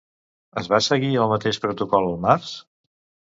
Es va seguir el mateix protocol el març?